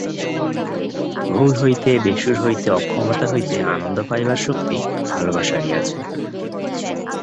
ভুল হইতে, বেসুর হইতে, অক্ষমতা হইতে আনন্দ পাইবার শক্তি ভালোবাসারই আছে।